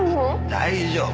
大丈夫。